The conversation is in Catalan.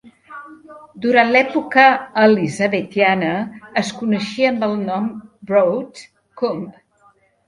Durant l'època elisabetiana es coneixia amb el nom Broad Coombe.